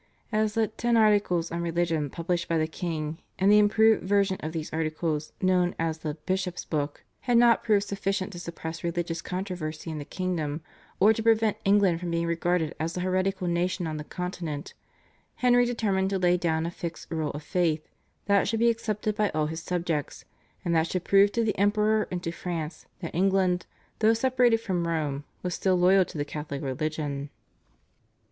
As the /Ten Articles/ on religion published by the king and the improved version of these Articles known as the /Bishop's Book/ had not proved sufficient to suppress religious controversy in the kingdom or to prevent England from being regarded as a heretical nation on the Continent, Henry determined to lay down a fixed rule of faith, that should be accepted by all his subjects, and that should prove to the Emperor and to France that England, though separated from Rome, was still loyal to the Catholic religion.